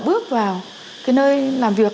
bước vào cái nơi làm việc